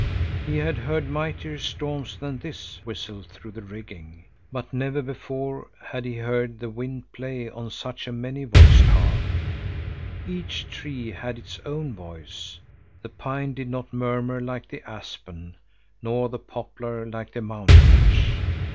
He had heard mightier storms than this whistle through the rigging, but never before had he heard the wind play on such a many voiced harp. Each tree had its own voice; the pine did not murmur like the aspen nor the poplar like the mountain ash.